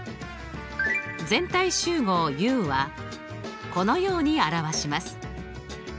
全体集合Ｕはこのように表します。